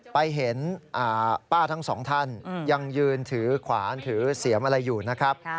ไปเห็นป้าทั้งสองท่านยังยืนถือขวานถือเสียมอะไรอยู่นะครับ